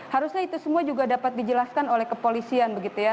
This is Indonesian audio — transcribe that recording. harusnya itu semua juga dapat dijelaskan oleh kepolisian begitu ya